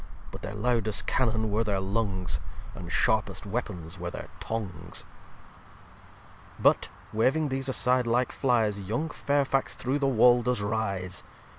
But their lowd'st Cannon were their Lungs; And sharpest Weapons were their Tongues. xxxiii But, waving these aside like Flyes, Young Fairfax through the Wall does rise.